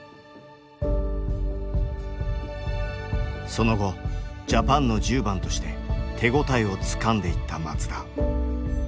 その後ジャパンの１０番として手応えをつかんでいった松田。